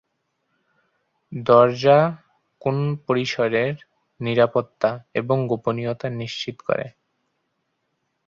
দরজা কোন পরিসরের নিরাপত্তা এবং গোপনীয়তা নিশ্চিত করে।